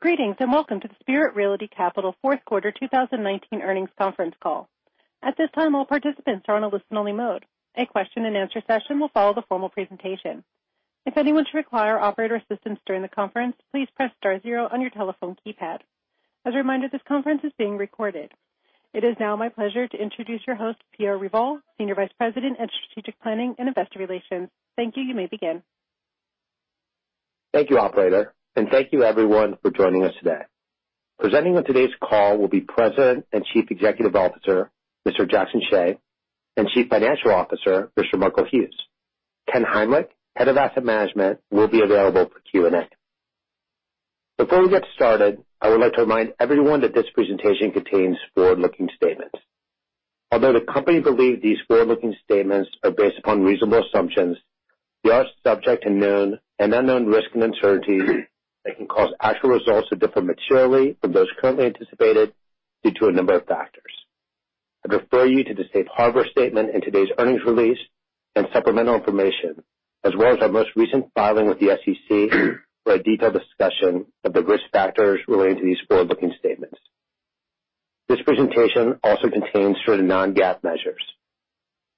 Greetings, and welcome to the Spirit Realty Capital Fourth Quarter 2019 Earnings Conference Call. At this time, all participants are on a listen only mode. A question and answer session will follow the formal presentation. If anyone should require operator assistance during the conference, please press star zero on your telephone keypad. As a reminder, this conference is being recorded. It is now my pleasure to introduce your host, Pierre Revol, Senior Vice President at Strategic Planning and Investor Relations. Thank you. You may begin. Thank you, operator, and thank you, everyone, for joining us today. Presenting on today's call will be President and Chief Executive Officer, Mr. Jackson Hsieh, and Chief Financial Officer, Mr. Michael Hughes. Ken Heimlich, Head of Asset Management, will be available for Q&A. Before we get started, I would like to remind everyone that this presentation contains forward-looking statements. Although the company believe these forward-looking statements are based upon reasonable assumptions, they are subject to known and unknown risks and uncertainties that can cause actual results to differ materially from those currently anticipated due to a number of factors. I refer you to the safe harbor statement in today's earnings release and supplemental information, as well as our most recent filing with the SEC for a detailed discussion of the risk factors relating to these forward-looking statements. This presentation also contains certain non-GAAP measures.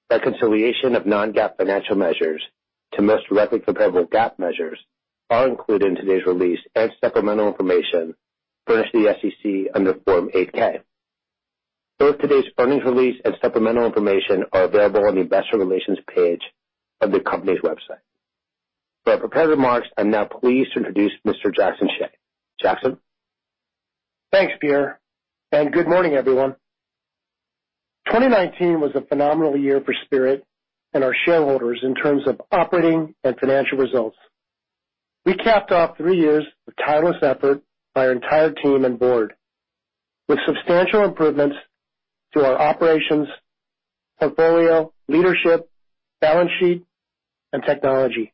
Reconciliation of non-GAAP financial measures to most directly comparable GAAP measures are included in today's release and supplemental information furnished to the SEC under Form 8-K. Both today's earnings release and supplemental information are available on the investor relations page of the company's website. For our prepared remarks, I'm now pleased to introduce Mr. Jackson Hsieh. Jackson? Thanks, Pierre, and good morning, everyone. 2019 was a phenomenal year for Spirit and our shareholders in terms of operating and financial results. We capped off three years of tireless effort by our entire team and board with substantial improvements to our operations, portfolio, leadership, balance sheet, and technology.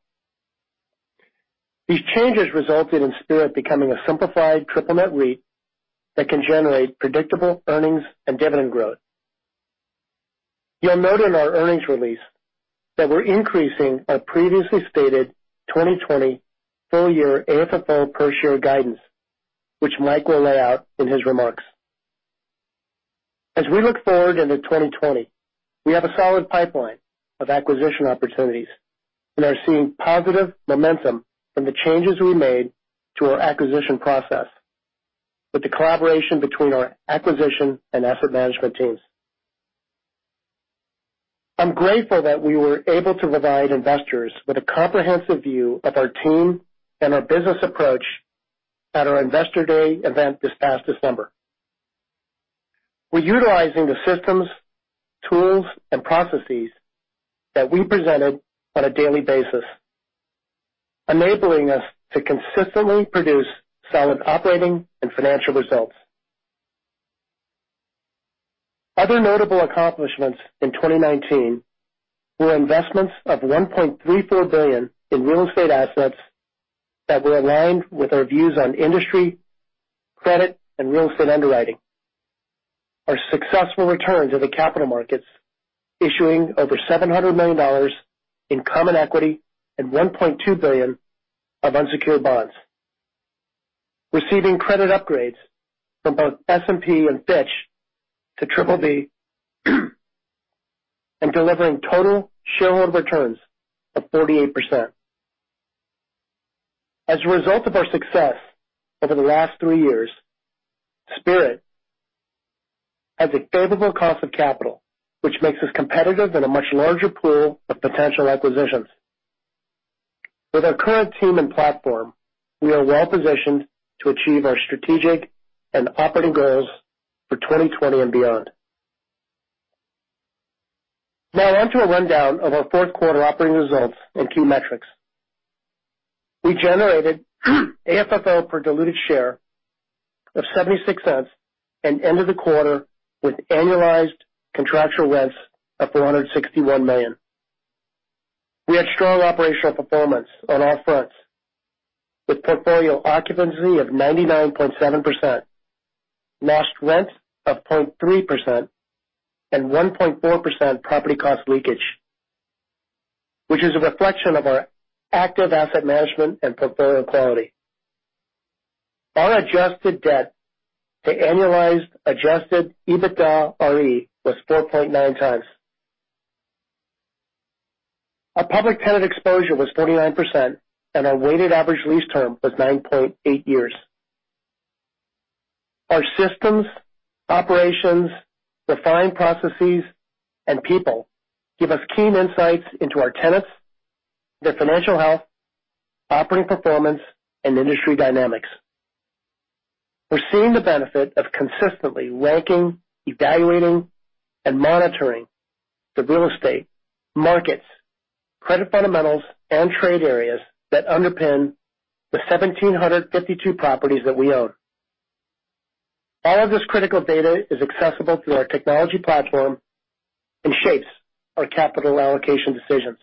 These changes resulted in Spirit becoming a simplified triple net REIT that can generate predictable earnings and dividend growth. You'll note in our earnings release that we're increasing our previously stated 2020 full-year AFFO per-share guidance, which Mike will lay out in his remarks. As we look forward into 2020, we have a solid pipeline of acquisition opportunities and are seeing positive momentum from the changes we made to our acquisition process with the collaboration between our acquisition and asset management teams. I'm grateful that we were able to provide investors with a comprehensive view of our team and our business approach at our Investor Day event this past December. We're utilizing the systems, tools, and processes that we presented on a daily basis, enabling us to consistently produce solid operating and financial results. Other notable accomplishments in 2019 were investments of $1.34 billion in real estate assets that were aligned with our views on industry, credit, and real estate underwriting, our successful returns in the capital markets issuing over $700 million in common equity and $1.2 billion of unsecured bonds, receiving credit upgrades from both S&P and Fitch to BBB, and delivering total shareholder returns of 48%. As a result of our success over the last three years, Spirit has a favorable cost of capital, which makes us competitive in a much larger pool of potential acquisitions. With our current team and platform, we are well-positioned to achieve our strategic and operating goals for 2020 and beyond. On to a rundown of our fourth quarter operating results and key metrics. We generated AFFO per diluted share of $0.76 and ended the quarter with annualized contractual rents of $461 million. We had strong operational performance on all fronts, with portfolio occupancy of 99.7%, leased rents of 0.3%, and 1.4% property cost leakage, which is a reflection of our active asset management and portfolio quality. Our adjusted debt to annualized adjusted EBITDAre was 4.9x. Our public tenant exposure was 49%, and our weighted average lease term was 9.8 years. Our systems, operations, refined processes, and people give us keen insights into our tenants, their financial health, operating performance, and industry dynamics. We're seeing the benefit of consistently ranking, evaluating, and monitoring the real estate markets, credit fundamentals, and trade areas that underpin the 1,752 properties that we own. All of this critical data is accessible through our technology platform and shapes our capital allocation decisions.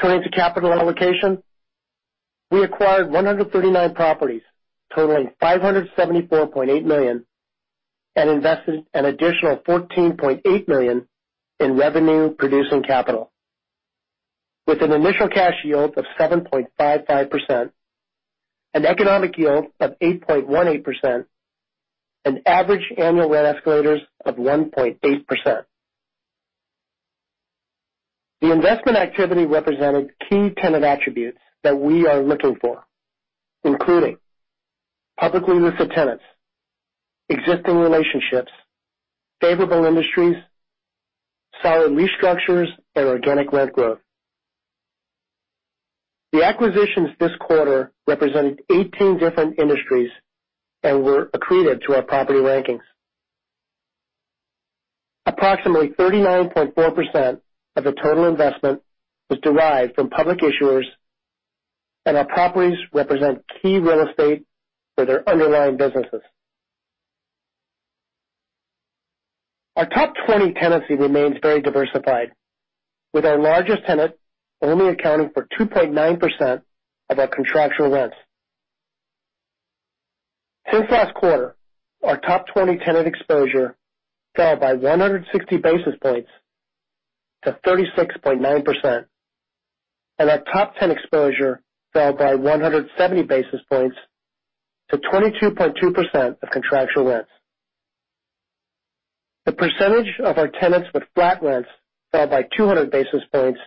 Turning to capital allocation, we acquired 139 properties totaling $574.8 million. Invested an additional $14.8 million in revenue producing capital with an initial cash yield of 7.55%, an economic yield of 8.18%, an average annual rent escalators of 1.8%. The investment activity represented key tenant attributes that we are looking for, including publicly listed tenants, existing relationships, favorable industries, solid lease structures and organic rent growth. The acquisitions this quarter represented 18 different industries and were accretive to our property rankings. Approximately 39.4% of the total investment was derived from public issuers, and our properties represent key real estate for their underlying businesses. Our top 20 tenancy remains very diversified, with our largest tenant only accounting for 2.9% of our contractual rents. Since last quarter, our top 20 tenant exposure fell by 160 basis points to 36.9%, and our top 10 exposure fell by 170 basis points to 22.2% of contractual rents. The percentage of our tenants with flat rents fell by 200 basis points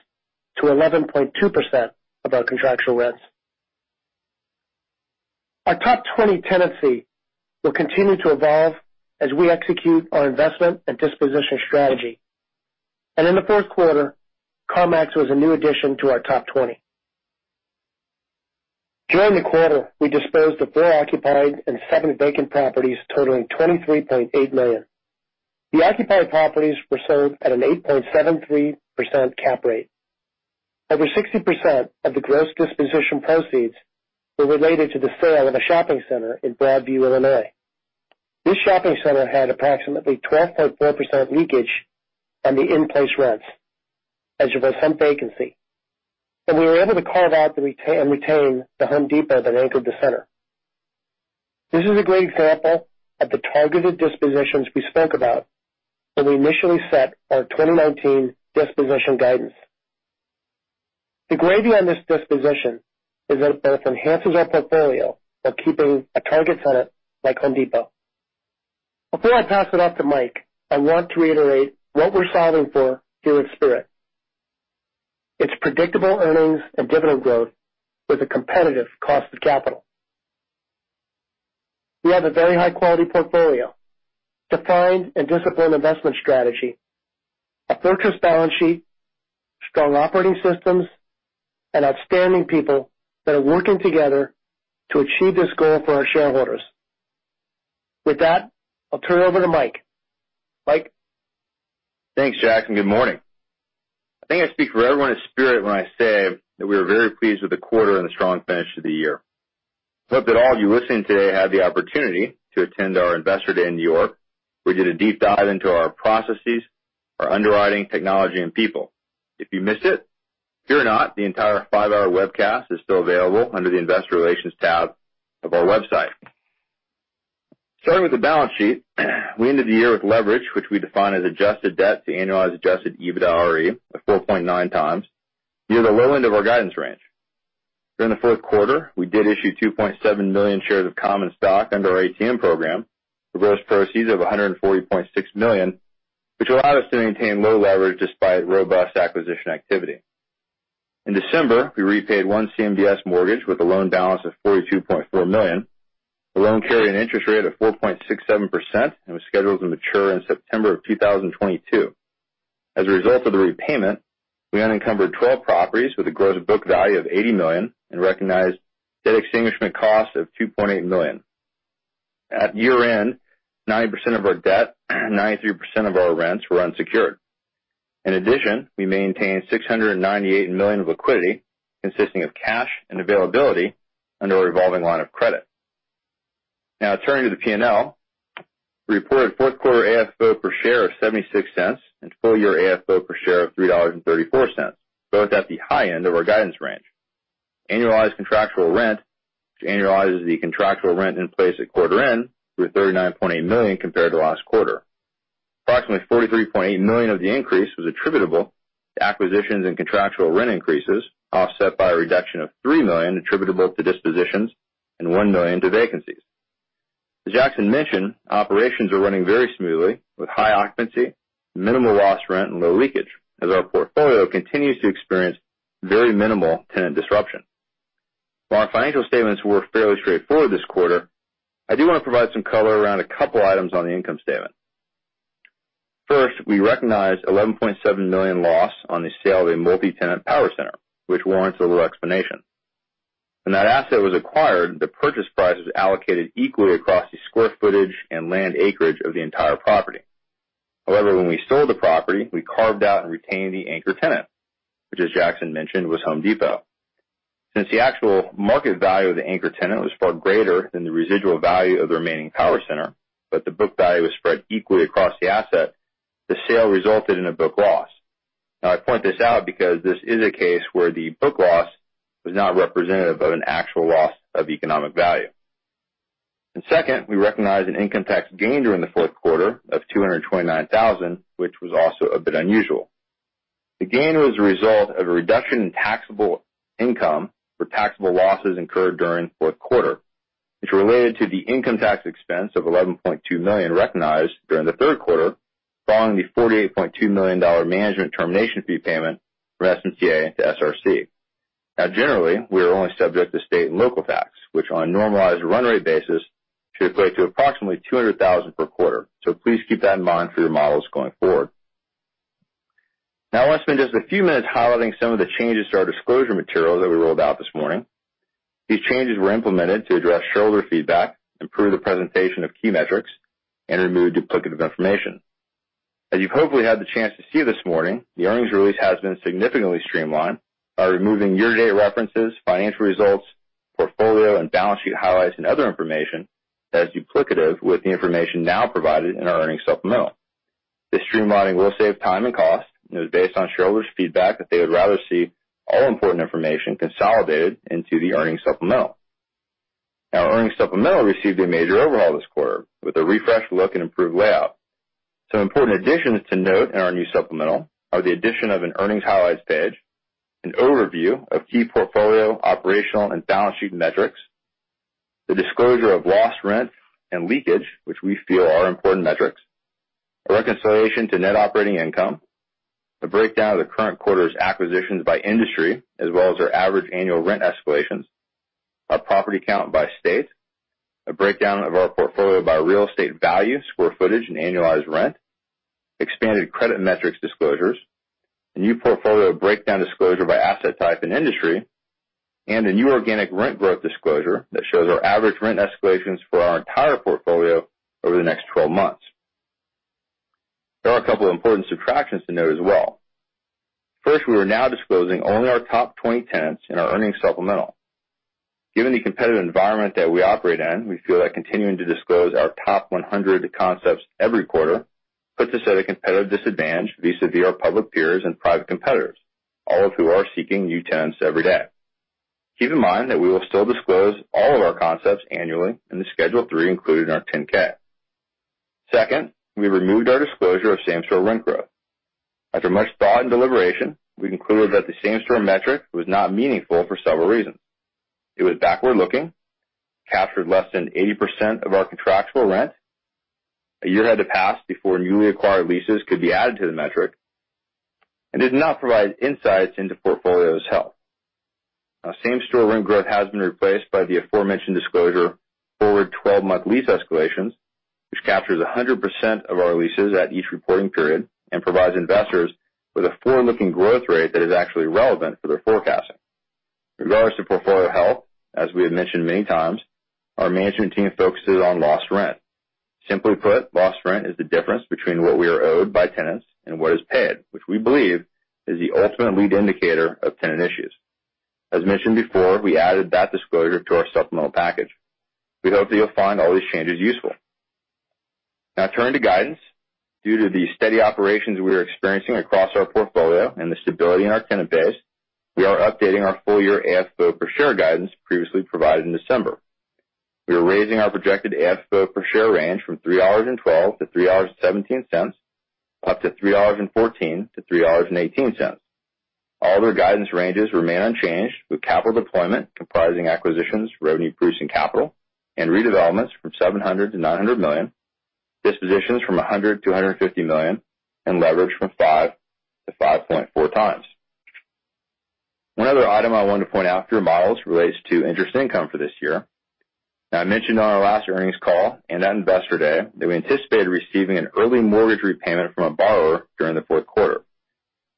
to 11.2% of our contractual rents. Our top 20 tenancy will continue to evolve as we execute our investment and disposition strategy. In the fourth quarter, CarMax was a new addition to our top 20. During the quarter, we disposed of four occupied and seven vacant properties totaling $23.8 million. The occupied properties were sold at an 8.73% cap rate. Over 60% of the gross disposition proceeds were related to the sale of a shopping center in Broadview, Illinois. This shopping center had approximately 12.4% leakage on the in-place rents as well as home vacancy, and we were able to carve out and retain The Home Depot that anchored the center. This is a great example of the targeted dispositions we spoke about when we initially set our 2019 disposition guidance. The gravy on this disposition is that it both enhances our portfolio while keeping a target tenant like Home Depot. Before I pass it off to Mike, I want to reiterate what we're solving for here at Spirit. It's predictable earnings and dividend growth with a competitive cost of capital. We have a very high-quality portfolio, defined and disciplined investment strategy, a fortress balance sheet, strong operating systems, and outstanding people that are working together to achieve this goal for our shareholders. With that, I'll turn it over to Mike. Mike? Thanks, Jackson, good morning. I think I speak for everyone at Spirit when I say that we are very pleased with the quarter and the strong finish to the year. Hope that all of you listening today had the opportunity to attend our Investor Day in New York. We did a deep dive into our processes, our underwriting technology, and people. If you missed it, fear not, the entire five-hour webcast is still available under the Investor Relations tab of our website. Starting with the balance sheet, we ended the year with leverage, which we define as adjusted debt to annualized adjusted EBITDAre of 4.9x, near the low end of our guidance range. During the fourth quarter, we did issue 2.7 million shares of common stock under our ATM program, with gross proceeds of $140.6 million, which allowed us to maintain low leverage despite robust acquisition activity. In December, we repaid one CMBS mortgage with a loan balance of $42.4 million. The loan carried an interest rate of 4.67% and was scheduled to mature in September of 2022. As a result of the repayment, we unencumbered 12 properties with a gross book value of $80 million and recognized debt extinguishment cost of $2.8 million. At year-end, 90% of our debt and 93% of our rents were unsecured. In addition, we maintained $698 million of liquidity consisting of cash and availability under a revolving line of credit. Now turning to the P&L. Reported fourth quarter AFFO per share of $0.76 and full year AFFO per share of $3.34, both at the high end of our guidance range. Annualized contractual rent, which annualizes the contractual rent in place at quarter end, were $39.8 million compared to last quarter. Approximately $43.8 million of the increase was attributable to acquisitions and contractual rent increases, offset by a reduction of $3 million attributable to dispositions and $1 million to vacancies. As Jackson mentioned, operations are running very smoothly with high occupancy, minimal loss rent, and low leakage as our portfolio continues to experience very minimal tenant disruption. While our financial statements were fairly straightforward this quarter, I do want to provide some color around a couple items on the income statement. First, we recognized $11.7 million loss on the sale of a multi-tenant power center, which warrants a little explanation. When that asset was acquired, the purchase price was allocated equally across the square footage and land acreage of the entire property. However, when we sold the property, we carved out and retained the anchor tenant, which as Jackson mentioned, was Home Depot. Since the actual market value of the anchor tenant was far greater than the residual value of the remaining power center, but the book value was spread equally across the asset, the sale resulted in a book loss. I point this out because this is a case where the book loss was not representative of an actual loss of economic value. Second, we recognized an income tax gain during the fourth quarter of $229,000, which was also a bit unusual. The gain was a result of a reduction in taxable income for taxable losses incurred during the fourth quarter, which related to the income tax expense of $11.2 million recognized during the third quarter, following the $48.2 million management termination fee payment from SMTA to SRC. Generally, we are only subject to state and local tax, which on a normalized run rate basis should equate to approximately $200,000 per quarter. Please keep that in mind for your models going forward. I want to spend just a few minutes highlighting some of the changes to our disclosure material that we rolled out this morning. These changes were implemented to address shareholder feedback, improve the presentation of key metrics, and remove duplicative information. As you've hopefully had the chance to see this morning, the earnings release has been significantly streamlined by removing year-to-date references, financial results, portfolio and balance sheet highlights, and other information that is duplicative with the information now provided in our earnings supplemental. This streamlining will save time and cost, and it was based on shareholders' feedback that they would rather see all important information consolidated into the earnings supplemental. Our earnings supplemental received a major overhaul this quarter with a refreshed look and improved layout. Some important additions to note in our new supplemental are the addition of an earnings highlights page, an overview of key portfolio, operational, and balance sheet metrics, the disclosure of lost rent and leakage, which we feel are important metrics, a reconciliation to net operating income, a breakdown of the current quarter's acquisitions by industry, as well as our average annual rent escalations, our property count by state, a breakdown of our portfolio by real estate value, square footage, and annualized rent, expanded credit metrics disclosures, a new portfolio breakdown disclosure by asset type and industry, and a new organic rent growth disclosure that shows our average rent escalations for our entire portfolio over the next 12 months. There are a couple of important subtractions to note as well. First, we are now disclosing only our top 20 tenants in our earnings supplemental. Given the competitive environment that we operate in, we feel that continuing to disclose our top 100 concepts every quarter puts us at a competitive disadvantage vis-à-vis our public peers and private competitors, all of who are seeking new tenants every day. Keep in mind that we will still disclose all of our concepts annually in the Schedule three included in our 10-K. Second, we removed our disclosure of same-store rent growth. After much thought and deliberation, we concluded that the same-store metric was not meaningful for several reasons. It was backward-looking, captured less than 80% of our contractual rent. A year had to pass before newly acquired leases could be added to the metric, and did not provide insights into portfolio's health. Same-store rent growth has been replaced by the aforementioned disclosure forward 12-month lease escalations, which captures 100% of our leases at each reporting period and provides investors with a forward-looking growth rate that is actually relevant for their forecasting. Regardless of portfolio health, as we have mentioned many times, our management team focuses on lost rent. Simply put, lost rent is the difference between what we are owed by tenants and what is paid, which we believe is the ultimate lead indicator of tenant issues. As mentioned before, we added that disclosure to our supplemental package. We hope that you'll find all these changes useful. Turning to guidance. Due to the steady operations we are experiencing across our portfolio and the stability in our tenant base, we are updating our full-year AFFO per share guidance previously provided in December. We are raising our projected AFFO per share range from $3.12-$3.17, up to $3.14-$3.18. All other guidance ranges remain unchanged, with capital deployment comprising acquisitions, revenue-producing capital, and redevelopments from $700 million-$900 million, dispositions from $100 million-$150 million, and leverage from 5x-5.4x. One other item I wanted to point out for your models relates to interest income for this year. I mentioned on our last earnings call and at Investor Day that we anticipated receiving an early mortgage repayment from a borrower during the fourth quarter.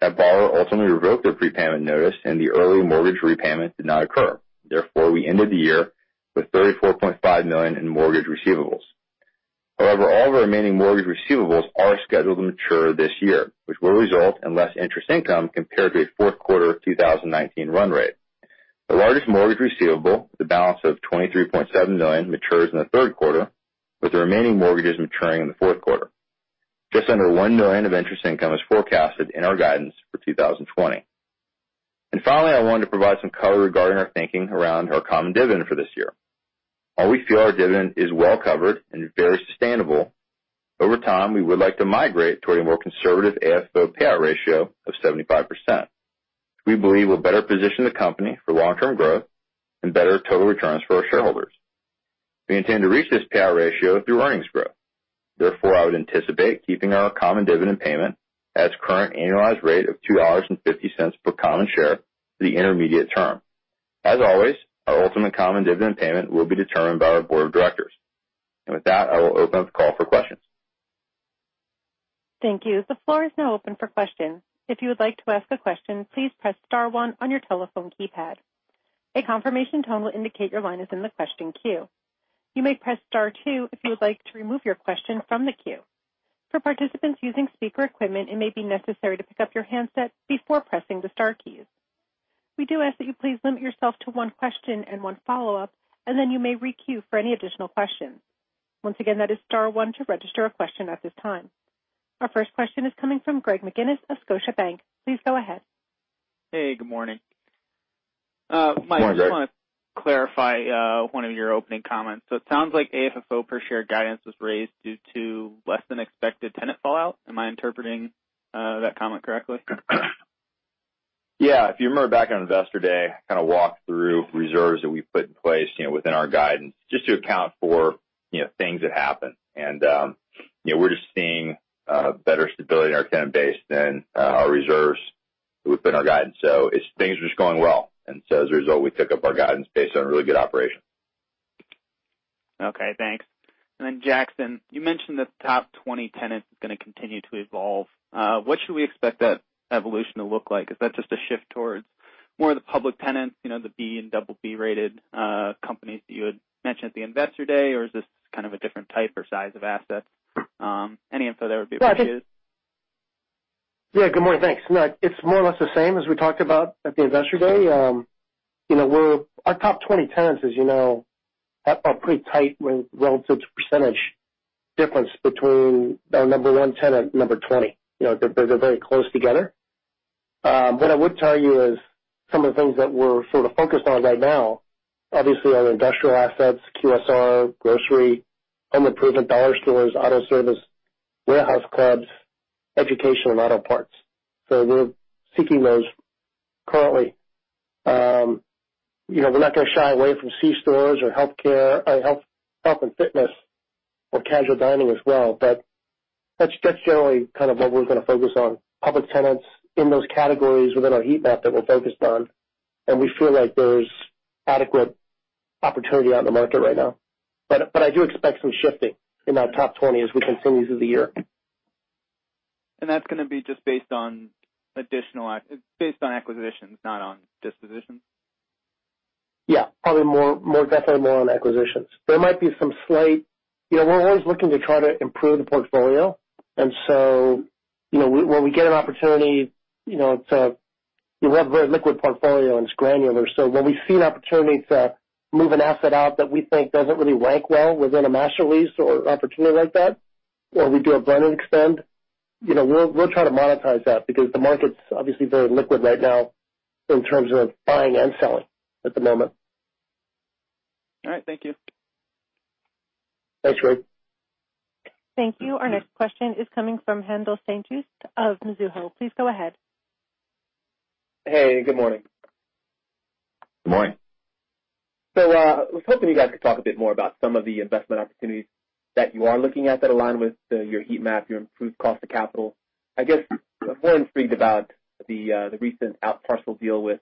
That borrower ultimately revoked their prepayment notice, and the early mortgage repayment did not occur. Therefore, we ended the year with $34.5 million in mortgage receivables. However, all of our remaining mortgage receivables are scheduled to mature this year, which will result in less interest income compared to a fourth quarter of 2019 run rate. The largest mortgage receivable, with a balance of $23.7 million, matures in the third quarter, with the remaining mortgages maturing in the fourth quarter. Just under $1 million of interest income is forecasted in our guidance for 2020. Finally, I wanted to provide some color regarding our thinking around our common dividend for this year. While we feel our dividend is well-covered and very sustainable, over time, we would like to migrate toward a more conservative AFFO payout ratio of 75%, which we believe will better position the company for long-term growth and better total returns for our shareholders. We intend to reach this payout ratio through earnings growth. I would anticipate keeping our common dividend payment at its current annualized rate of $2.50 per common share for the intermediate term. As always, our ultimate common dividend payment will be determined by our board of directors. With that, I will open up the call for questions. Thank you. The floor is now open for questions. If you would like to ask a question, please press star one on your telephone keypad. A confirmation tone will indicate your line is in the question queue. You may press star two if you would like to remove your question from the queue. For participants using speaker equipment, it may be necessary to pick up your handset before pressing the star keys. We do ask that you please limit yourself to one question and one follow-up, and then you may re-queue for any additional questions. Once again, that is star one to register a question at this time. Our first question is coming from Greg McGinniss of Scotiabank. Please go ahead. Hey, good morning. Good morning, Greg. Mike, I just want to clarify one of your opening comments. It sounds like AFFO per share guidance was raised due to less than expected tenant fallout. Am I interpreting that comment correctly? Yeah. If you remember back on Investor Day, I kind of walked through reserves that we put in place within our guidance, just to account for things that happen. We're just seeing better stability in our tenant base than our reserves within our guidance. Things are just going well. As a result, we took up our guidance based on really good operation. Okay, thanks. Jackson, you mentioned the top 20 tenants is going to continue to evolve. What should we expect that evolution to look like? Is that just a shift towards more of the public tenants, the B and BB-rated companies that you had mentioned at the Investor Day? Is this kind of a different type or size of asset? Any info there would be appreciated. Yeah, good morning. Thanks. It's more or less the same as we talked about at the Investor Day. Our top 20 tenants as you know, have a pretty tight relative percentage difference between our number one tenant and number 20. They're very close together. What I would tell you is some of the things that we're sort of focused on right now, obviously, are industrial assets, QSR, grocery, home improvement, dollar stores, auto service, warehouse clubs, education, and auto parts. We're seeking those currently. We're not going to shy away from C stores or health care or health and fitness or casual dining as well. That's generally kind of what we're going to focus on. Public tenants in those categories within our heat map that we're focused on, and we feel like there's adequate opportunity out in the market right now. I do expect some shifting in our top 20 as we continue through the year. That's going to be just based on acquisitions, not on dispositions? Yeah, probably definitely more on acquisitions. We're always looking to try to improve the portfolio. When we get an opportunity, we have a very liquid portfolio, and it's granular. When we see an opportunity to move an asset out that we think doesn't really rank well within a master lease or opportunity like that, or we do a blend and extend, we'll try to monetize that because the market's obviously very liquid right now in terms of buying and selling at the moment. All right. Thank you. Thanks, Greg. Thank you. Our next question is coming from Haendel St. Juste of Mizuho. Please go ahead. Hey, good morning. Good morning. I was hoping you guys could talk a bit more about some of the investment opportunities that you are looking at that align with your heat map, your improved cost of capital. I guess I'm more intrigued about the recent outparcel deal with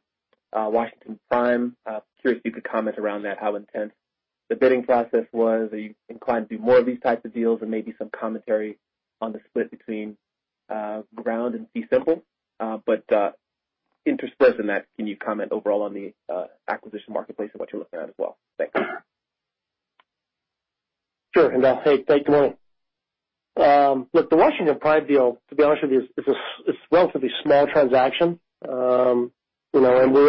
Washington Prime. Curious if you could comment around that, how intense the bidding process was. Are you inclined to do more of these types of deals and maybe some commentary on the split between ground and fee simple? Interspersed in that, can you comment overall on the acquisition marketplace and what you're looking at as well? Thanks. Sure, Haendel. Hey. Good morning. Look, the Washington Prime Group deal, to be honest with you, is a relatively small transaction. We're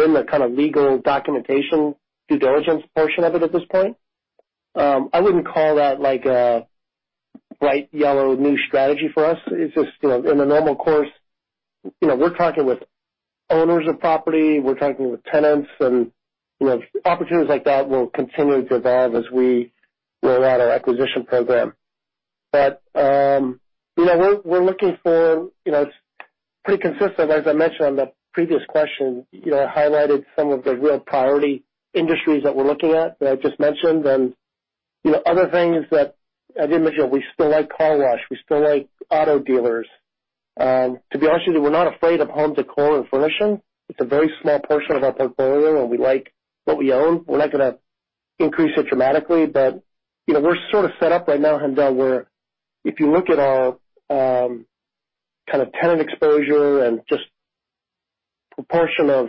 in the kind of legal documentation, due diligence portion of it at this point. I wouldn't call that a bright yellow new strategy for us. It's just in a normal course. We're talking with owners of property, we're talking with tenants, opportunities like that will continue to evolve as we roll out our acquisition program. It's pretty consistent. As I mentioned on the previous question, I highlighted some of the real priority industries that we're looking at that I just mentioned, and other things that I mentioned, we still like car wash, we still like auto dealers. To be honest with you, we're not afraid of home decor and furnishing. It's a very small portion of our portfolio, and we like what we own. We're not going to increase it dramatically, but we're sort of set up right now, Haendel, where if you look at our kind of tenant exposure and just proportion of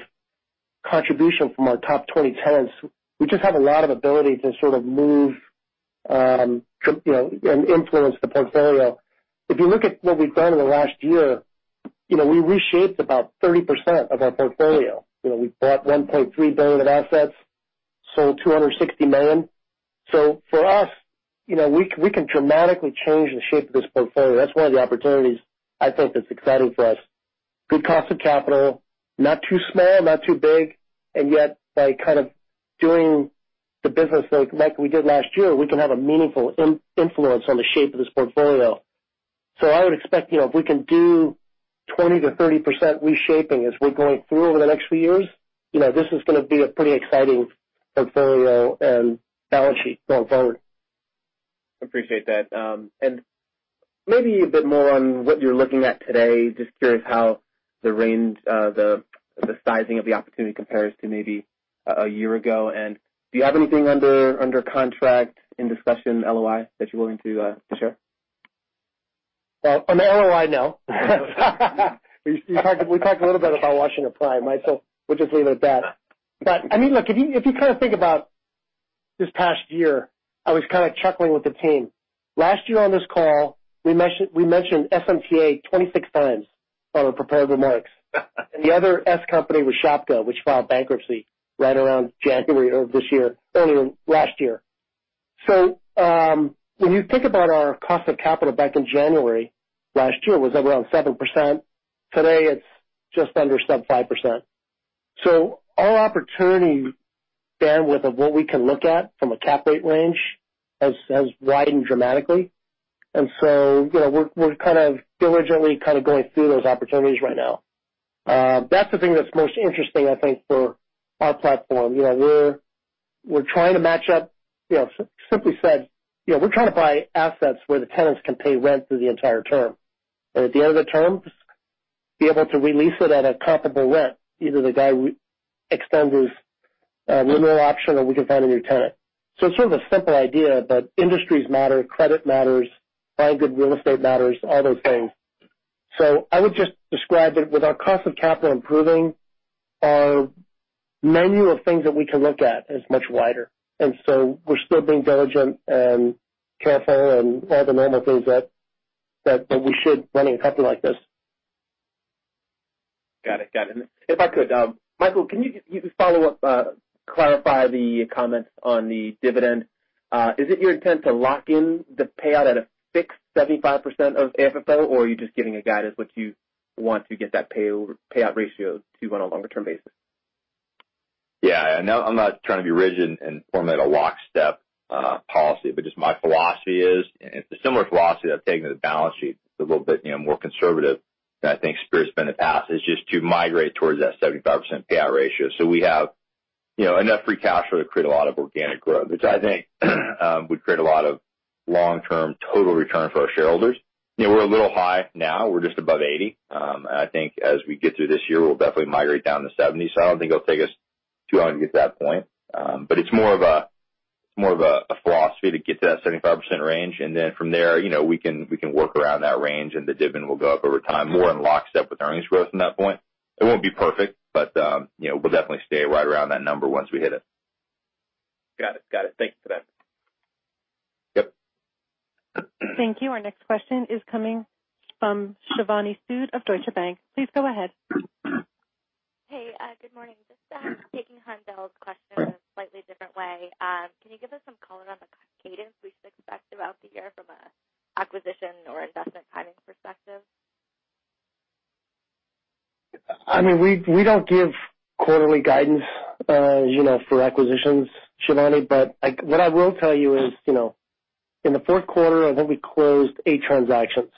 contribution from our top 20 tenants, we just have a lot of ability to sort of move and influence the portfolio. If you look at what we've done in the last year, we reshaped about 30% of our portfolio. We bought $1.3 billion of assets, sold $260 million. For us, we can dramatically change the shape of this portfolio. That's one of the opportunities I think that's exciting for us. Good cost of capital, not too small, not too big, and yet by kind of doing the business like we did last year, we can have a meaningful influence on the shape of this portfolio. I would expect if we can do 20%-30% reshaping as we're going through over the next few years, this is going to be a pretty exciting portfolio and balance sheet going forward. Appreciate that. Maybe a bit more on what you're looking at today. Just curious how the sizing of the opportunity compares to maybe a year ago. Do you have anything under contract in discussion, LOI, that you're willing to share? On the LOI, no. We talked a little bit about Washington Prime, Mike, so we'll just leave it at that. Look, if you kind of think about this past year, I was kind of chuckling with the team. Last year on this call, we mentioned SMTA 26x on our prepared remarks. The other S company was Shopko, which filed bankruptcy right around January of this year, earlier last year. When you think about our cost of capital back in January last year was around 7%. Today, it's just under sub 5%. Our opportunity bandwidth of what we can look at from a cap rate range has widened dramatically. We're diligently going through those opportunities right now. That's the thing that's most interesting, I think, for our platform. We're trying to match up, simply said, we're trying to buy assets where the tenants can pay rent through the entire term. At the end of the term, be able to re-lease it at a comparable rent, either the guy extends his renewal option or we can find a new tenant. It's sort of a simple idea, but industries matter, credit matters, buying good real estate matters, all those things. I would just describe it with our cost of capital improving, our menu of things that we can look at is much wider. We're still being diligent and careful and all the normal things that we should running a company like this. Got it. If I could, Michael, can you just follow up, clarify the comments on the dividend. Is it your intent to lock in the payout at a fixed 75% of AFFO? Are you just giving a guidance what you want to get that payout ratio to on a longer term basis? No, I'm not trying to be rigid and form at a lockstep policy, but just my philosophy is, and it's a similar philosophy that I've taken to the balance sheet, it's a little bit more conservative than I think Spirit's been in the past, is just to migrate towards that 75% payout ratio. We have enough free cash flow to create a lot of organic growth, which I think would create a lot of long-term total return for our shareholders. We're a little high now. We're just above 80%. I think as we get through this year, we'll definitely migrate down to 70%. I don't think it'll take us too long to get to that point. It's more of a philosophy to get to that 75% range. From there, we can work around that range and the dividend will go up over time, more in lockstep with earnings growth from that point. It won't be perfect, but we'll definitely stay right around that number once we hit it. Got it. Thanks for that. Yep. Thank you. Our next question is coming from Shivani Sood of Deutsche Bank. Please go ahead. Hey, good morning. Just taking Haendel's question in a slightly different way. Can you give us some color on the cadence we should expect throughout the year from a acquisition or investment timing perspective? We don't give quarterly guidance for acquisitions, Shivani. What I will tell you is, in the fourth quarter, I think we closed eight transactions.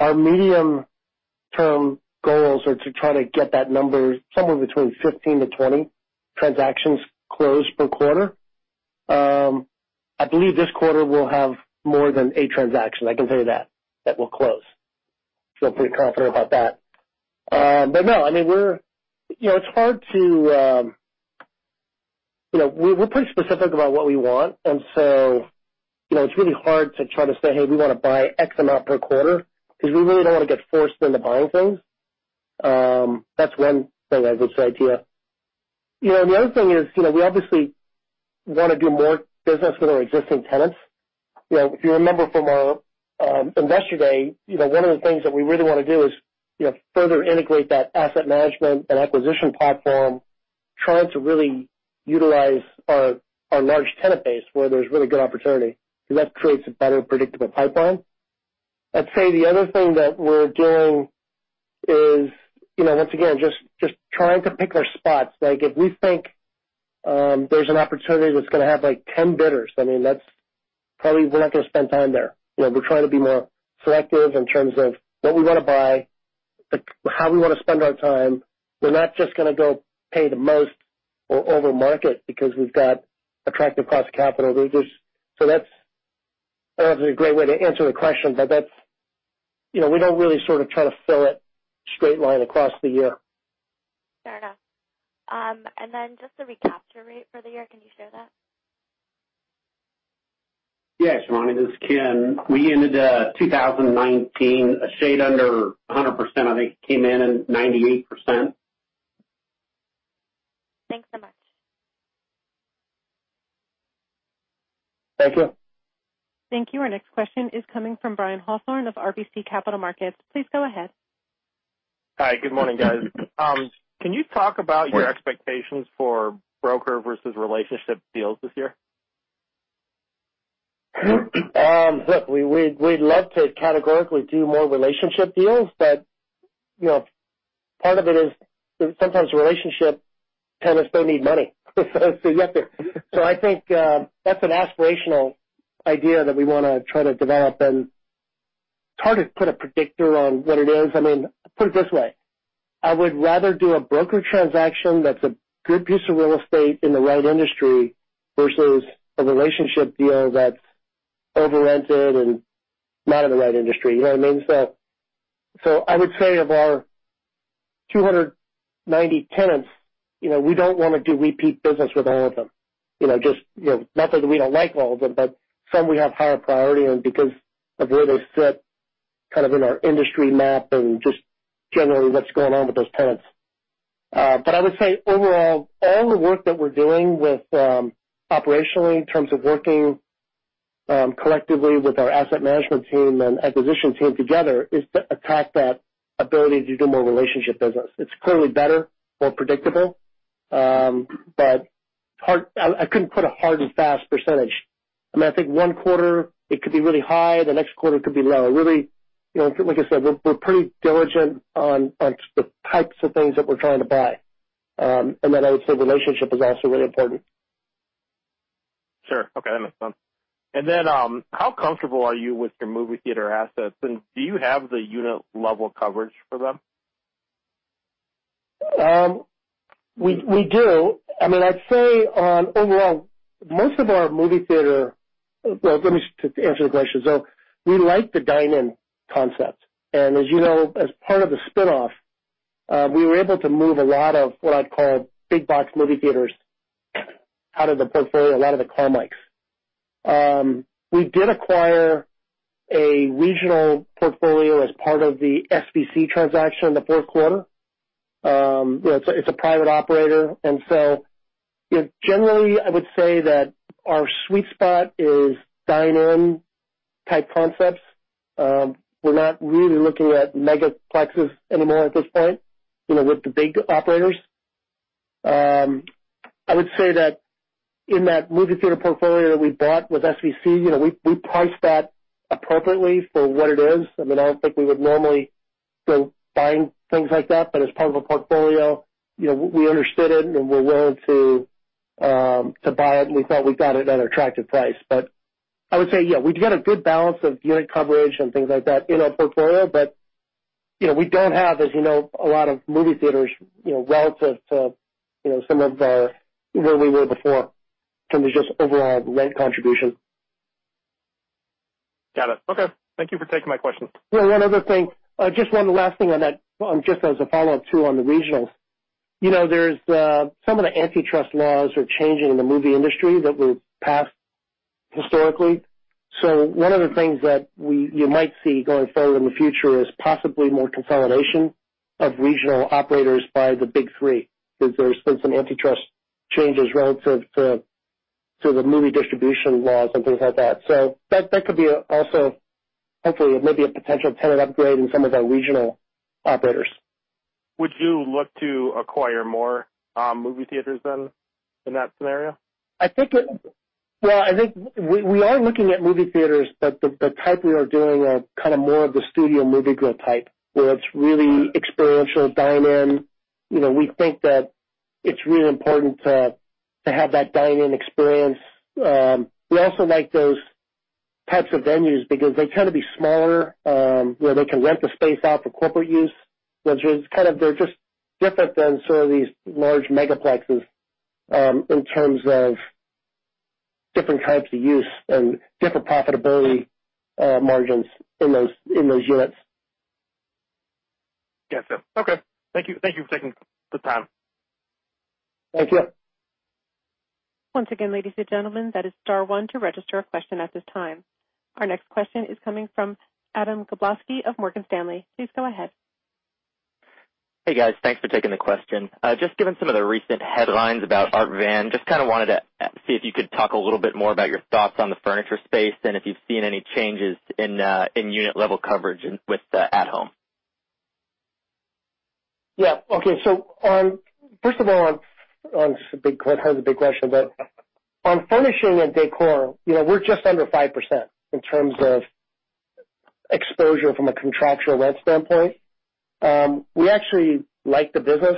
Our medium-term goals are to try to get that number somewhere between 15-20 transactions closed per quarter. I believe this quarter we'll have more than eight transactions, I can tell you that will close. Feel pretty confident about that. No, we're pretty specific about what we want, and so it's really hard to try to say, hey, we want to buy X amount per quarter because we really don't want to get forced into buying things. That's one thing I would say to you. The other thing is, we obviously want to do more business with our existing tenants. If you remember from our Investor Day, one of the things that we really want to do is further integrate that asset management and acquisition platform, trying to really utilize our large tenant base where there's really good opportunity because that creates a better predictable pipeline. I'd say the other thing that we're doing is, once again, just trying to pick our spots. If we think there's an opportunity that's going to have 10 bidders, that's probably we're not going to spend time there. We're trying to be more selective in terms of what we want to buy, how we want to spend our time. We're not just going to go pay the most or over market because we've got attractive cost of capital. I don't know if that's a great way to answer the question, but we don't really sort of try to fill it straight line across the year. Fair enough. Just the recapture rate for the year, can you share that? Yeah, Shivani, this is Ken. We ended 2019 a shade under 100%. I think it came in at 98%. Thanks so much. Thank you. Thank you. Our next question is coming from Brian Hawthorne of RBC Capital Markets. Please go ahead. Hi, good morning, guys. Good morning. Can you talk about your expectations for broker versus relationship deals this year? Look, we'd love to categorically do more relationship deals, but part of it is sometimes relationship tenants don't need money, so you have to. I think that's an aspirational idea that we want to try to develop, and it's hard to put a predictor on what it is. Put it this way, I would rather do a broker transaction that's a good piece of real estate in the right industry versus a relationship deal that's over-rented and not in the right industry. You know what I mean? I would say of our 290 tenants, we don't want to do repeat business with all of them. Not that we don't like all of them, but some we have higher priority and because of where they sit, kind of in our industry map and just generally what's going on with those tenants. I would say overall, all the work that we're doing with operationally in terms of working collectively with our asset management team and acquisition team together is to attack that ability to do more relationship business. It's clearly better, more predictable. I couldn't put a hard and fast percentage. I think one quarter it could be really high, the next quarter it could be low. Really, like I said, we're pretty diligent on the types of things that we're trying to buy. I would say relationship is also really important. Sure. Okay, that makes sense. How comfortable are you with your movie theater assets, and do you have the unit level coverage for them? We do. Let me just answer the question. As you know, as part of the spin-off, we were able to move a lot of what I'd call big box movie theaters out of the portfolio, a lot of the Carmikes. We did acquire a regional portfolio as part of the SVC transaction in the fourth quarter. It's a private operator, generally I would say that our sweet spot is dine-in type concepts. We're not really looking at megaplexes anymore at this point with the big operators. I would say that in that movie theater portfolio that we bought with SVC, we priced that appropriately for what it is. I don't think we would normally go buying things like that, but as part of a portfolio, we understood it and were willing to buy it, and we thought we got it at an attractive price. I would say, yeah, we've got a good balance of unit coverage and things like that in our portfolio. We don't have, as you know, a lot of movie theaters relative to where we were before in terms of just overall rent contribution. Got it. Okay. Thank you for taking my question. Yeah, one other thing. Just one last thing on that, just as a follow-up too on the regionals. Some of the antitrust laws are changing in the movie industry that were passed historically. One of the things that you might see going forward in the future is possibly more consolidation of regional operators by the big three, because there's been some antitrust changes relative to the movie distribution laws and things like that. That could be also hopefully maybe a potential tenant upgrade in some of our regional operators. Would you look to acquire more movie theaters then in that scenario? I think we are looking at movie theaters, but the type we are doing are kind of more of the Studio Movie Grill type, where it's really experiential dine-in. We think that it's really important to have that dine-in experience. We also like those types of venues because they tend to be smaller, where they can rent the space out for corporate use, which is kind of, they're just different than sort of these large megaplexes in terms of different types of use and different profitability margins in those units. Got you. Okay. Thank you for taking the time. Thank you. Once again, ladies and gentlemen, that is star one to register a question at this time. Our next question is coming from Adam Kobloski of Morgan Stanley. Please go ahead. Hey, guys. Thanks for taking the question. Just given some of the recent headlines about Art Van, just kind of wanted to see if you could talk a little bit more about your thoughts on the furniture space and if you've seen any changes in unit level coverage with At Home. Yeah. Okay. First of all, this is kind of a big question, but on furnishing and decor, we're just under 5% in terms of exposure from a contractual rent standpoint. We actually like the business.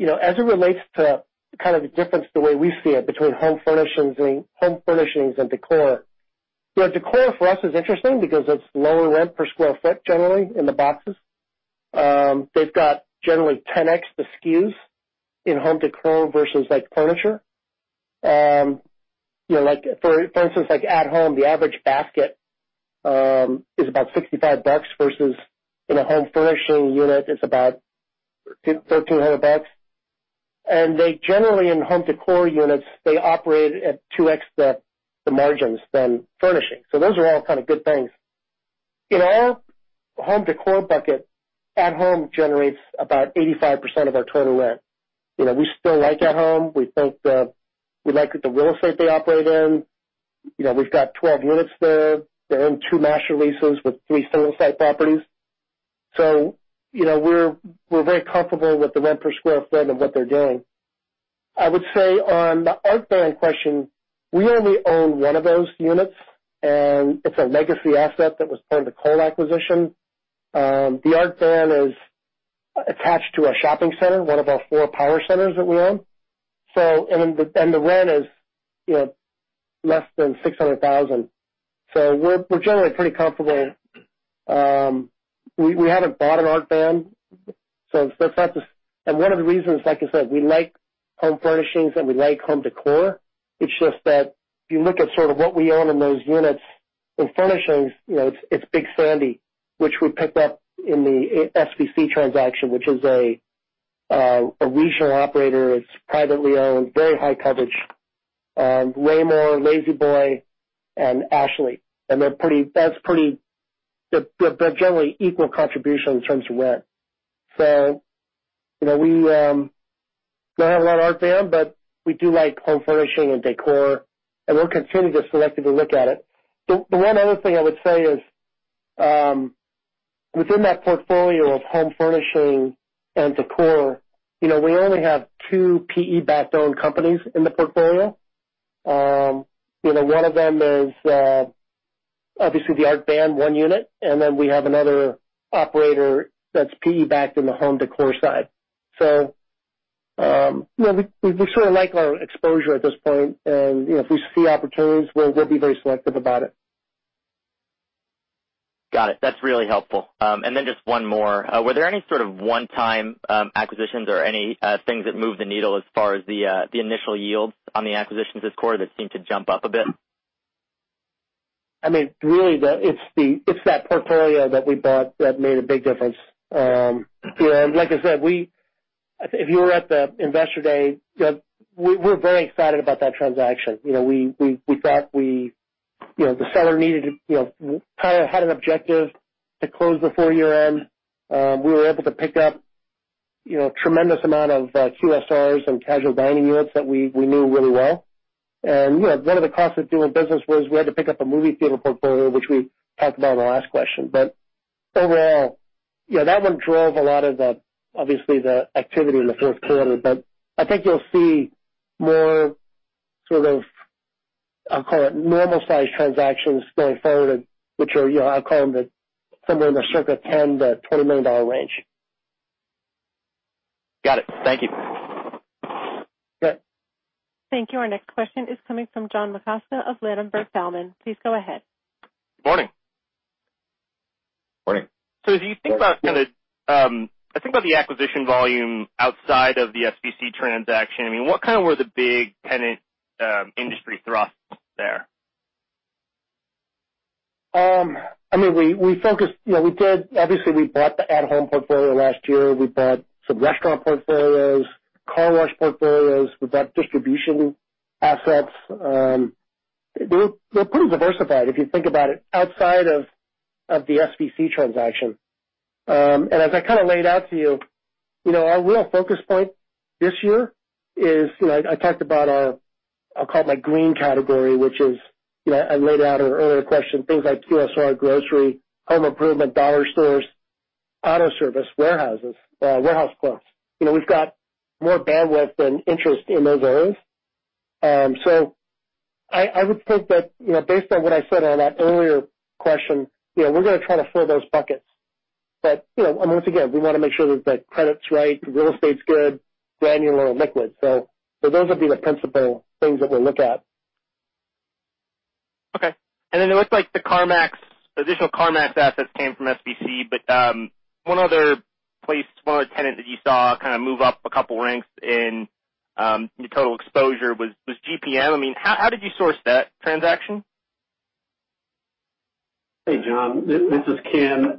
As it relates to kind of the difference the way we see it between home furnishings and decor for us is interesting because it's lower rent per square foot, generally, in the boxes. They've got generally 10x the SKUs in home decor versus furniture. For instance, like At Home, the average basket is about $65 versus in a home furnishing unit it's about $200. They generally in home decor units, they operate at 2x the margins than furnishing. Those are all kind of good things. In our home decor bucket, At Home generates about 85% of our total rent. We still like At Home. We like the real estate they operate in. We've got 12 units there. They're in two master leases with three single site properties. We're very comfortable with the rent per square foot and what they're doing. I would say on the Art Van question, we only own one of those units, and it's a legacy asset that was part of the Cole acquisition. The Art Van is attached to a shopping center, one of our four power centers that we own. The rent is less than $600,000. We're generally pretty comfortable. We haven't bought an Art Van, one of the reasons, like I said, we like home furnishings and we like home decor, it's just that if you look at sort of what we own in those units, in furnishings, it's Big Sandy, which we picked up in the SVC transaction, which is a regional operator. It's privately owned, very high coverage, and Raymour, La-Z-Boy and Ashley. They're generally equal contribution in terms of rent. We don't have a lot of Art Van, but we do like home furnishing and decor, and we'll continue to selectively look at it. The one other thing I would say is, within that portfolio of home furnishing and decor, we only have two PE-backed owned companies in the portfolio. One of them is obviously the Art Van, one unit, and then we have another operator that's PE-backed in the home decor side. We sort of like our exposure at this point, and if we see opportunities, we'll be very selective about it. Got it. That's really helpful. Just one more. Were there any sort of one-time acquisitions or any things that moved the needle as far as the initial yields on the acquisitions this quarter that seemed to jump up a bit? Really, it's that portfolio that we bought that made a big difference. Like I said, if you were at the Investor Day, we're very excited about that transaction. The seller had an objective to close before year-end. We were able to pick up a tremendous amount of QSRs and casual dining units that we knew really well. One of the costs of doing business was we had to pick up a movie theater portfolio, which we talked about on the last question. Overall, that one drove a lot of, obviously, the activity in the first quarter. I think you'll see more sort of, I'll call it normal-sized transactions going forward, which are, I call them, somewhere in the circa $10 million-$20 million range. Got it. Thank you. Sure. Thank you. Our next question is coming from John Massocca of Ladenburg Thalmann. Please go ahead. Morning. Morning. As you think about kind of the acquisition volume outside of the SVC transaction, what were the big tenant industry thrusts there? Obviously, we bought the At Home portfolio last year. We bought some restaurant portfolios, car wash portfolios. We bought distribution assets. We're pretty diversified, if you think about it, outside of the SVC transaction. As I kind of laid out to you, our real focus point this year is, I talked about our, I'll call it my green category, which is, I laid out in an earlier question, things like QSR, grocery, home improvement, dollar stores, auto service, warehouses, warehouse clubs. We've got more bandwidth and interest in those areas. I would think that based on what I said on that earlier question, we're going to try to fill those buckets. Once again, we want to make sure that the credit's right, the real estate's good, granular, and liquid. Those will be the principal things that we'll look at. Okay. It looks like the CarMax, additional CarMax assets came from SVC, but one other place, one other tenant that you saw kind of move up a couple ranks in your total exposure was GPM. How did you source that transaction? Hey, John, this is Ken.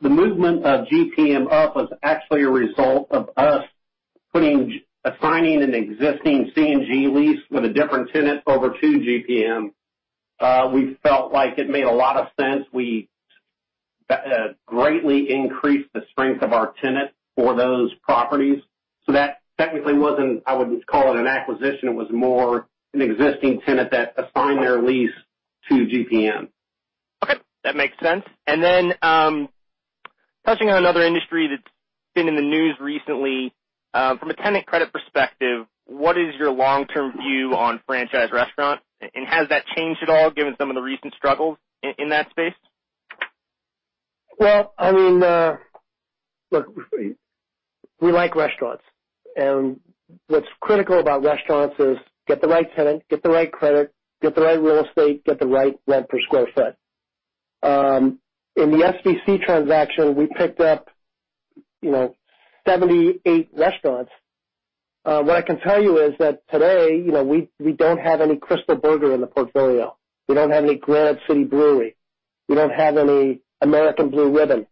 The movement of GPM up was actually a result of us assigning an existing CNG lease with a different tenant over to GPM. We felt like it made a lot of sense. We greatly increased the strength of our tenant for those properties. That technically wasn't, I wouldn't call it an acquisition. It was more an existing tenant that assigned their lease to GPM. Okay, that makes sense. Touching on another industry that's been in the news recently, from a tenant credit perspective, what is your long-term view on franchise restaurants, and has that changed at all given some of the recent struggles in that space? Well, look, we like restaurants. What's critical about restaurants is get the right tenant, get the right credit, get the right real estate, get the right rent per square foot. In the SVC transaction, we picked up 78 restaurants. What I can tell you is that today, we don't have any Krystal in the portfolio. We don't have any Granite City Food & Brewery. We don't have any American Blue Ribbon Holdings.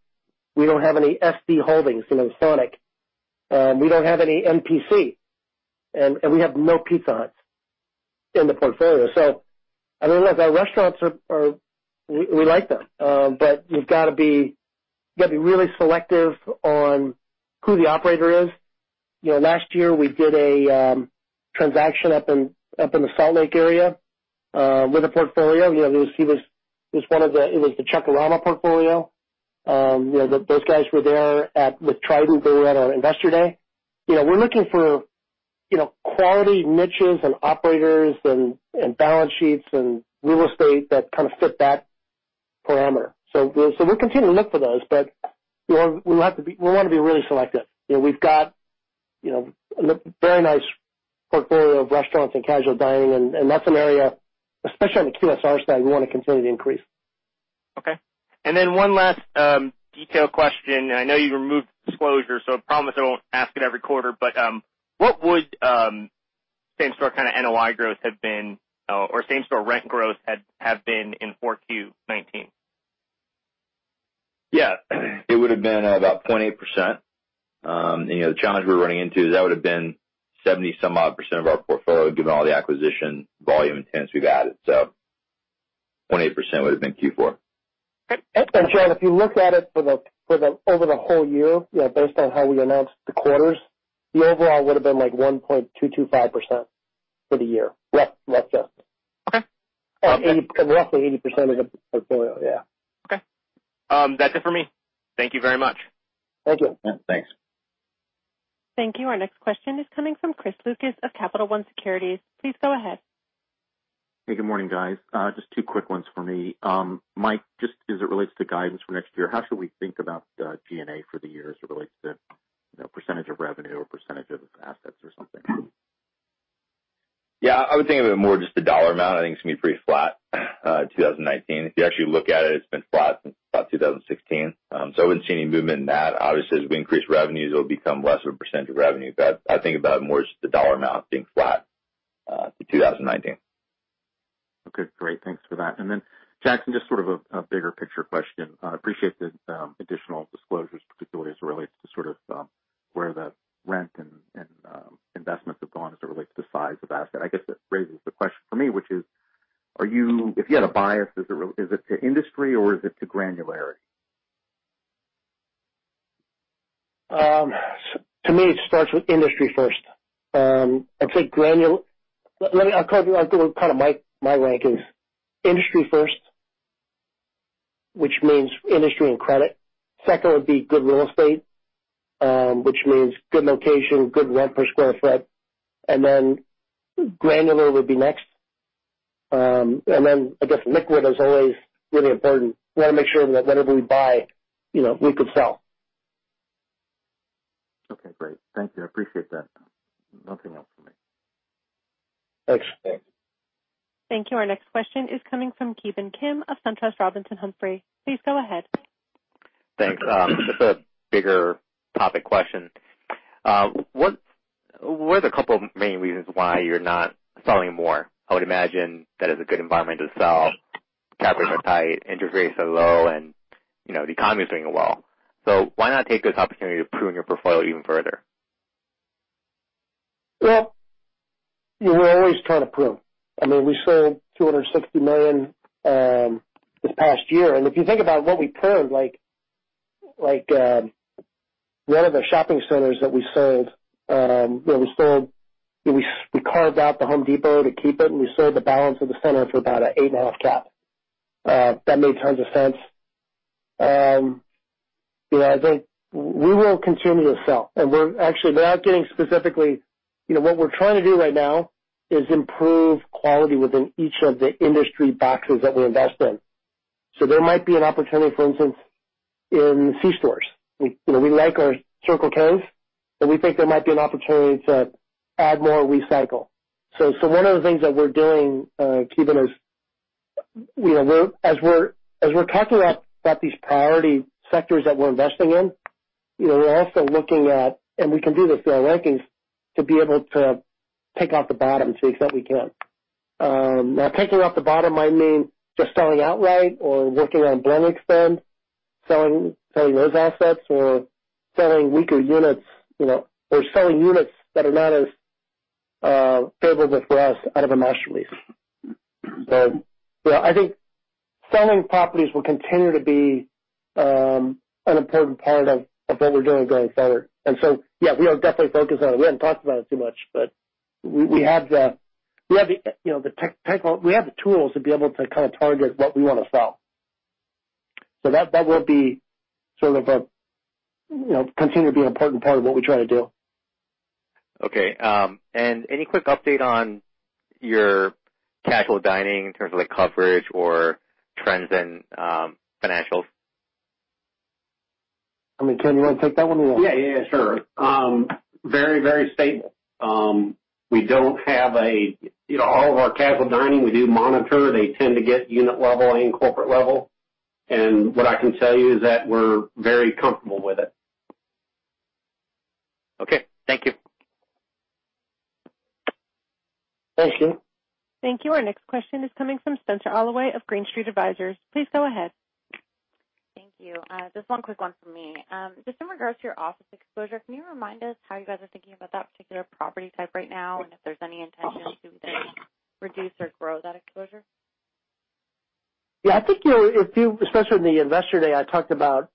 We don't have any SD Holdings, Sonic. We don't have any NPC, and we have no Pizza Hut in the portfolio. I mean, look, we like them. You've got to be really selective on who the operator is. Last year, we did a transaction up in the Salt Lake area with a portfolio. It was the Chuck-A-Rama portfolio. Those guys were there with Trident. They were at our Investor Day. We're looking for quality niches and operators and balance sheets and real estate that kind of fit that parameter. We'll continue to look for those. We want to be really selective. We've got a very nice portfolio of restaurants and casual dining, and that's an area, especially on the QSR side, we want to continue to increase. Okay. One last detail question. I know you removed the disclosure, so I promise I won't ask it every quarter, but what would same-store kind of NOI growth have been, or same-store rent growth have been in 4Q 2019? Yeah. It would have been about 0.8%. The challenge we're running into is that would have been 70 some odd % of our portfolio, given all the acquisition volume and tenants we've added. 0.8% would have been Q4. John, if you look at it over the whole year, based on how we announced the quarters, the overall would have been like 1.225% for the year. Roughly. Okay. Roughly 80% of the portfolio. Yeah. Okay. That's it for me. Thank you very much. Thank you. Yeah, thanks. Thank you. Our next question is coming from Chris Lucas of Capital One Securities. Please go ahead. Hey, good morning, guys. Just two quick ones for me. Mike, just as it relates to guidance for next year, how should we think about G&A for the year as it relates to % of revenue or % of assets or something? Yeah, I would think of it more just the dollar amount. I think it's going to be pretty flat, 2019. If you actually look at it's been flat since about 2016. I wouldn't see any movement in that. Obviously, as we increase revenues, it'll become less of a percentage of revenue. I think about it more as just the dollar amount being flat through 2019. Okay, great. Thanks for that. Jackson, just sort of a bigger picture question. I appreciate the additional disclosures, particularly as it relates to sort of where the rent and investments have gone as it relates to the size of asset. I guess that raises the question for me, which is, if you had a bias, is it to industry or is it to granularity? To me, it starts with industry first. I'll give you kind of my rankings. Industry first, which means industry and credit. Second would be good real estate, which means good location, good rent per sq ft, and then granular would be next. I guess liquid is always really important. We want to make sure that whatever we buy, we could sell. Okay, great. Thank you. I appreciate that. Nothing else for me. Thanks. Thanks. Thank you. Our next question is coming from Ki Bin Kim of SunTrust Robinson Humphrey. Please go ahead. Thanks. Just a bigger topic question. What are the couple main reasons why you're not selling more? I would imagine that it's a good environment to sell. Caps are tight, interest rates are low, and the economy is doing well. Why not take this opportunity to prune your portfolio even further? Well, we're always trying to prune. I mean, we sold $260 million this past year. If you think about what we pruned, like one of the shopping centers that we sold, we carved out The Home Depot to keep it, and we sold the balance of the center for about an 8.5 cap. That made tons of sense. We will continue to sell. We're actually now getting specifically What we're trying to do right now is improve quality within each of the industry boxes that we invest in. There might be an opportunity, for instance, in C stores. We like our Circle Ks, and we think there might be an opportunity to add more Circle K. One of the things that we're doing, Ki Bin, is as we're talking about these priority sectors that we're investing in, we're also looking at, and we can do this in our rankings, to be able to take off the bottom to the extent we can. Taking off the bottom might mean just selling outright or working on blend-extend, selling those assets, or selling weaker units, or selling units that are not as favorable for us out of a master lease. Yeah, I think selling properties will continue to be an important part of what we're doing going forward. Yeah, we are definitely focused on it. We haven't talked about it too much, but we have the tools to be able to kind of target what we want to sell. That will continue to be an important part of what we try to do. Okay. Any quick update on your casual dining in terms of like coverage or trends and financials? I mean, Ken, you want to take that one? Yeah. Sure. Very stable. All of our casual dining, we do monitor. They tend to get unit level and corporate level. What I can tell you is that we're very comfortable with it. Okay. Thank you. Thanks, Ki Bin. Thank you. Our next question is coming from Spenser Allaway of Green Street Advisors. Please go ahead. Thank you. Just one quick one from me. Just in regards to your office exposure, can you remind us how you guys are thinking about that particular property type right now, and if there's any intention to either reduce or grow that exposure? Yeah, I think especially in the Investor Day, I talked about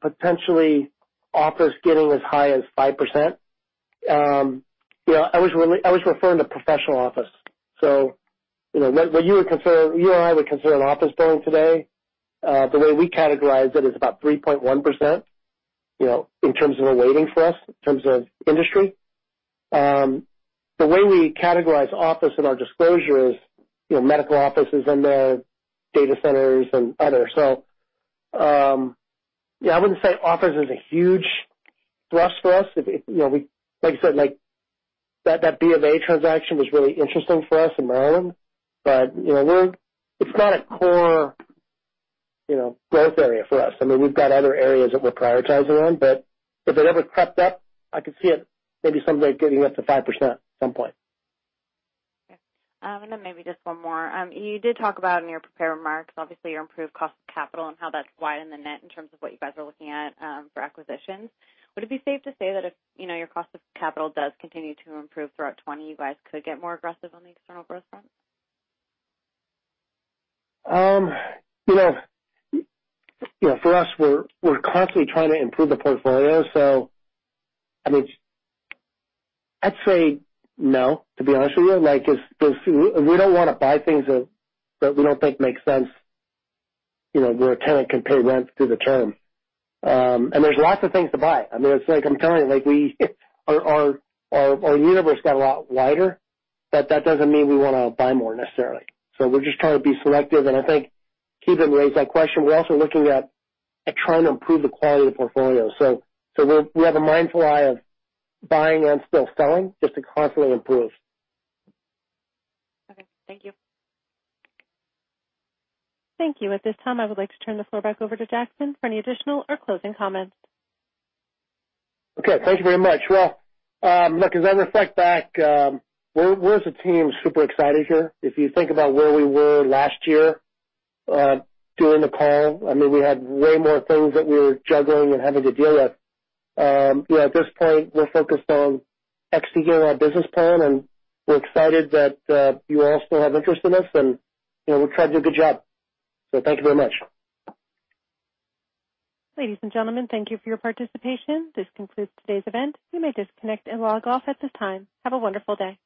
potentially office getting as high as 5%. I was referring to professional office. What you and I would consider an office building today, the way we categorize it is about 3.1%, in terms of a weighting for us, in terms of industry. The way we categorize office in our disclosure is medical offices in there, data centers, and other. Yeah, I wouldn't say office is a huge thrust for us. Like I said, that BMA transaction was really interesting for us in Maryland, it's not a core growth area for us. I mean, we've got other areas that we're prioritizing on, if it ever crept up, I could see it maybe someday getting us to 5% at some point. Okay. Maybe just one more. You did talk about in your prepared remarks, obviously, your improved cost of capital and how that's widened the net in terms of what you guys are looking at for acquisitions. Would it be safe to say that if your cost of capital does continue to improve throughout 2020, you guys could get more aggressive on the external growth front? For us, we're constantly trying to improve the portfolio. I'd say no, to be honest with you. We don't want to buy things that we don't think make sense where a tenant can pay rent through the term. There's lots of things to buy. I mean, it's like I'm telling you, our universe got a lot wider, but that doesn't mean we want to buy more necessarily. We're just trying to be selective. I think Ki Bin raised that question. We're also looking at trying to improve the quality of the portfolio. We have a mindful eye of buying and still selling just to constantly improve. Okay. Thank you. Thank you. At this time, I would like to turn the floor back over to Jackson for any additional or closing comments. Okay. Thank you very much. Well, look, as I reflect back, we're, as a team, super excited here. If you think about where we were last year during the call, I mean, we had way more things that we were juggling and having to deal with. At this point, we're focused on executing our business plan, and we're excited that you all still have interest in us, and we'll try to do a good job. Thank you very much. Ladies and gentlemen, thank you for your participation. This concludes today's event. You may disconnect and log off at this time. Have a wonderful day.